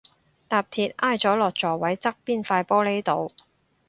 搭鐵挨咗落座位側邊塊玻璃度